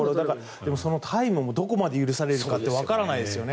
でもタイムもどこまで許されるかってわからないですよね。